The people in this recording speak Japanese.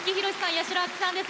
八代亜紀さんです